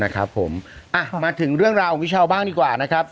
ครับผมอ่ะมาถึงเรื่องราวของพี่เช้าบ้างดีกว่านะครับ